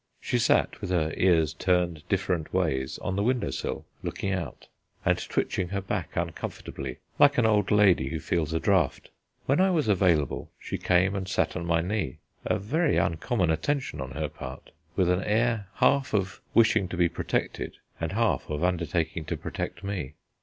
She sat, with her ears turned different ways, on the window sill, looking out, and twitching her back uncomfortably, like an old lady who feels a draught. When I was available, she came and sat on my knee (a very uncommon attention on her part) with an air half of wishing to be protected and half of undertaking to protect me.